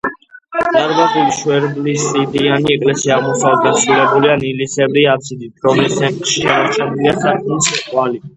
დარბაზული, შვერილაბსიდიანი ეკლესია აღმოსავლეთით დასრულებულია ნალისებრი აბსიდით, რომლის ცენტრში შემორჩენილია სარკმლის კვალი.